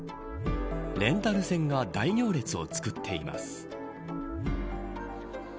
レンタル船が大行列をつくっています。